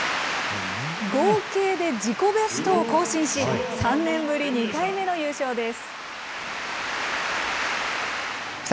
合計で自己ベストを更新し、３年ぶり２回目の優勝です。